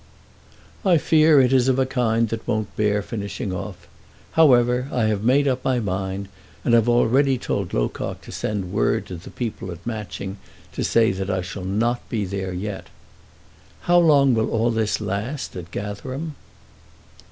"I fear it is of a kind that won't bear finishing off. However, I have made up my mind, and have already told Locock to send word to the people at Matching to say that I shall not be there yet. How long will all this last at Gatherum?"